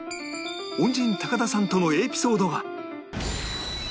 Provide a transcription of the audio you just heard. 恩人高田さんとのエピソードは？